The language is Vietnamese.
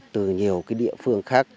từ nhiều cái địa phương khác